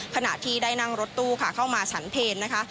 ขณะที่ได้นั่งรถตู้ค่ะเข้ามาฉันเพลนะคะ